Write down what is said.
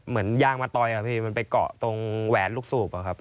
เหมือนยางมะตอยครับพี่มันไปเกาะตรงแหวนลูกสูบอะครับ